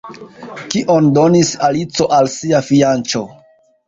Kion donis Alico al sia fianĉo?